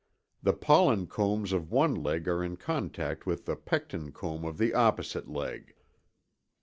The pollen combs of one leg are in contact with the pecten comb of the opposite leg.